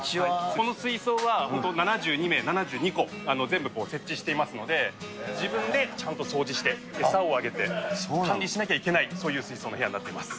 この水槽は７２名、７２個、全部設置していますので、自分でちゃんと掃除して、餌をあげて、管理しなきゃいけない、そういう水槽の部屋になっております。